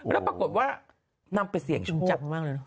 แล้วปรากฏว่านำไปเสี่ยงชุมจัดมากเลยนะ